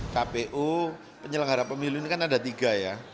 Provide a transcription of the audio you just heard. kpu penyelenggara pemilu ini kan ada tiga ya